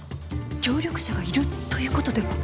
協力者がいるということでは？